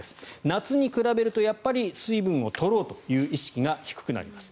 夏に比べると水分を取ろうという意識が低くなります。